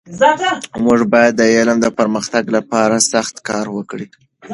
موږ باید د علم د پرمختګ لپاره سخته کار وکړو.